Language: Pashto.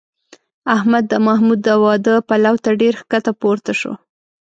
احمد د محمود د واده پلو ته ډېر ښکته پورته شو.